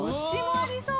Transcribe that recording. ありそう。